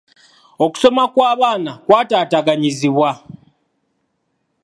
Okusoma kw'abaana kw'ataataaganyizibwa.